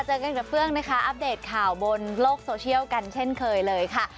เจอกันกับเฟื่องนะคะอัปเดตข่าวบนโลกโซเชียลกันเช่นเคยเลยค่ะ